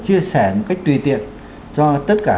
chia sẻ một cách tùy tiện cho tất cả